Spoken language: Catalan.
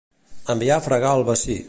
Enviar a fregar el bací.